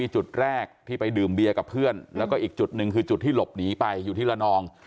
จุดแรกที่ไปดื่มเบียร์กับเพื่อนแล้วก็อีกจุดหนึ่งคือจุดที่หลบหนีไปอยู่ที่ละนอง